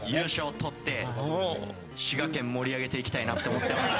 取って滋賀県盛り上げていきたいなと思ってます。